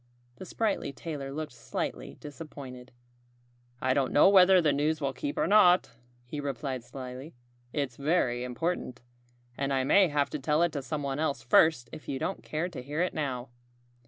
The sprightly tailor looked slightly disappointed. "I don't know whether the news will keep or not," he replied slyly. "It's very important. And I may have to tell it to someone else first if you don't care to hear it now."